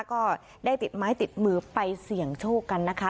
ก็ได้ติดไม้ติดมือไปเสี่ยงโชคกันนะคะ